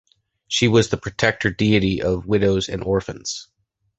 She was the protector deity of widows and orphans.